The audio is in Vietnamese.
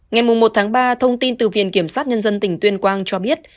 ngày một ba thông tin từ viện kiểm sát nhân dân tỉnh tuyên quang cho biết